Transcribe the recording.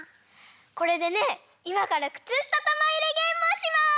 これでねいまからくつしたたまいれゲームをします！